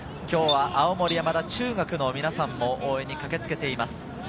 今日は青森山田中学の皆さんも応援に駆けつけています。